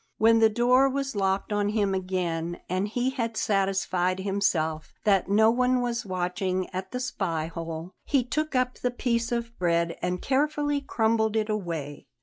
When the door was locked on him again, and he had satisfied himself that no one was watching at the spy hole, he took up the piece of bread and carefully crumbled it away.